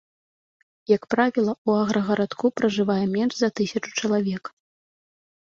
Як правіла, у аграгарадку пражывае менш за тысячу чалавек.